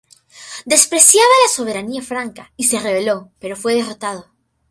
Despreciaba la soberanía franca y se rebeló, pero fue derrotado.